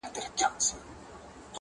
هسې نه ستا آتسي زلفې زما بشر ووهي~